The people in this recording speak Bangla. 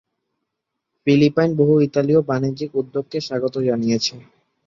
ফিলিপাইন বহু ইতালিয় বাণিজ্যিক উদ্যোগকে স্বাগত জানিয়েছে।